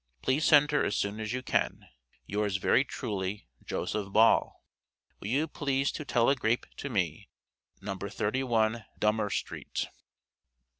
Please send her as soon as you can. Yours very truly, JOSEPH BALL. Will you please to telegrape to me, No. 31 Dummer st.